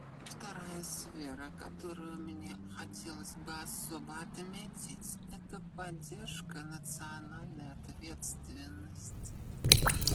Вторая сфера, которую мне хотелось бы особо отметить, — это поддержка национальной ответственности.